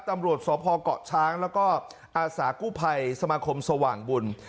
ตำรวจสพเกาะช้างแล้วก็อาสากู้ภัยสมาคมสว่างบุญ